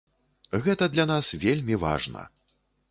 Гэта для нас вельмі важна.